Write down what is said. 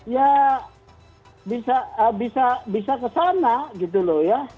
ya bisa ke sana gitu loh ya